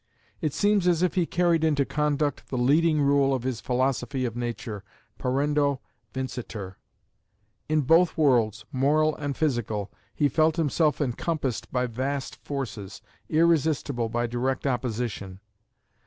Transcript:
It seems as if he carried into conduct the leading rule of his philosophy of nature, parendo vincitur. In both worlds, moral and physical, he felt himself encompassed by vast forces, irresistible by direct opposition.